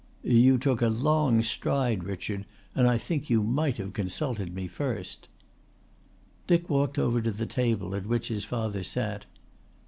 "You took a long stride, Richard, and I think you might have consulted me first." Dick walked over to the table at which his father sat.